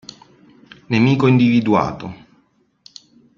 Nemico individuato